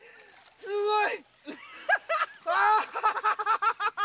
すごい！